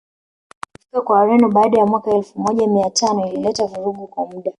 kufika kwa Wareno baada ya mwaka elfu moja mia tano ilileta vurugu kwa muda